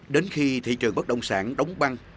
đến khi thị trường bất đồng sản đóng băng